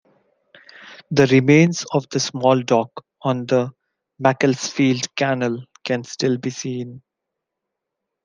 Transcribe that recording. The remains of the small dock on the Macclesfield Canal can still be seen.